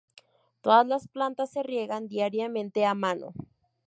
Todas las plantas se riegan diariamente a mano.